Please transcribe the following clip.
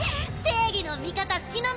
正義の味方東雲